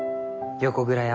横倉山？